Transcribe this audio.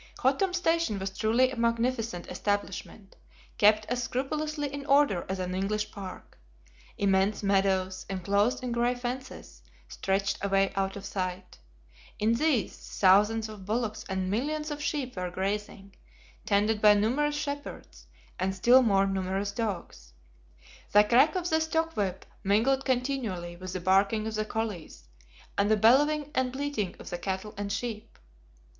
Hottam Station was truly a magnificent establishment, kept as scrupulously in order as an English park. Immense meadows, enclosed in gray fences, stretched away out of sight. In these, thousands of bullocks and millions of sheep were grazing, tended by numerous shepherds, and still more numerous dogs. The crack of the stock whip mingled continually with the barking of the "collies" and the bellowing and bleating of the cattle and sheep.